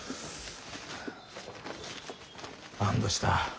安堵した。